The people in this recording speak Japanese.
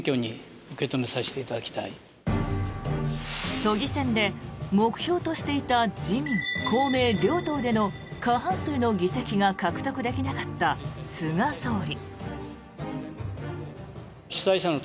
都議選で目標としていた自民・公明両党での過半数の議席が獲得できなかった菅総理。